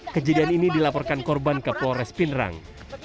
kejadian ini dilaporkan korban ke polres pindrang